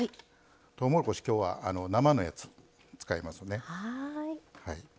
とうもろこし、きょうは生のやつ使いますね。